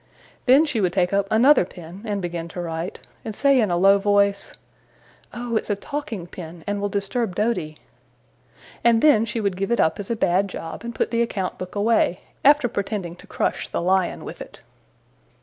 Then she would take up another pen, and begin to write, and say in a low voice, 'Oh, it's a talking pen, and will disturb Doady!' And then she would give it up as a bad job, and put the account book away, after pretending to crush the lion with it.